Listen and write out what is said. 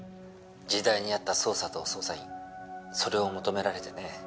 「時代に合った捜査と捜査員それを求められてね」